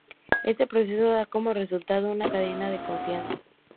Este proceso da como resultado una cadena de confianza.